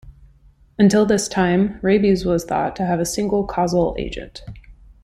Until this time, rabies was thought to have a single causal agent.